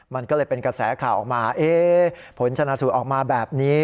มันก็เลยเป็นกระแสข่าวออกมาผลชนะสูตรออกมาแบบนี้